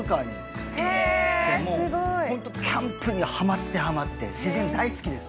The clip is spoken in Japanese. もう本当にキャンプにはまってはまって自然大好きです。